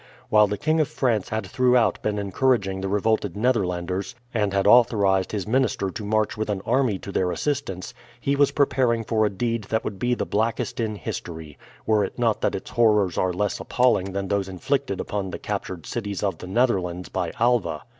While the King of France had throughout been encouraging the revolted Netherlanders, and had authorized his minister to march with an army to their assistance, he was preparing for a deed that would be the blackest in history, were it not that its horrors are less appalling than those inflicted upon the captured cities of the Netherlands by Alva.